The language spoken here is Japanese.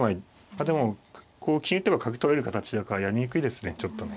あでもこう金打てば角取られる形だからやりにくいですねちょっとね。